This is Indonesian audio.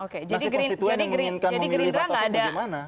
nasib konstituen yang inginkan memilih pak taufik bagaimana